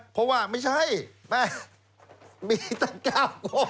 เพราะว่าไม่ใช่มีตั้ง๙ข้อ